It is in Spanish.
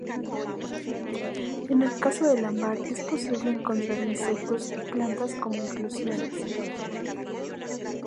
En el caso del ámbar es posible encontrar insectos y plantas como inclusiones.